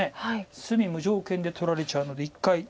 隅無条件で取られちゃうので一回。